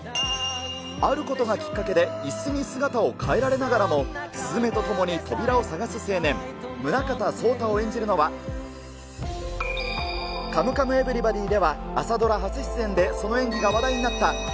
あることがきっかけで、いすに姿を変えられながらも鈴芽と共に扉を探す青年、宗像草太を演じるのは、カムカムエヴリバディで朝ドラ初出演でその演技が話題になった、ＳｉｘＴＯＮＥＳ